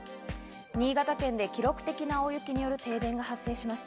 新潟県で記録的な大雪による停電が発生しました。